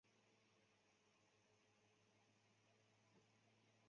它起初是一个低级行政中心。